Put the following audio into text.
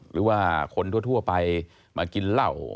หรือว่าคนทั่วไปมากินเหล้า